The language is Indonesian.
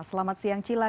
selamat siang cila